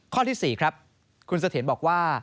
ข้อที่๔ครับคุณเสถียรบอกว่า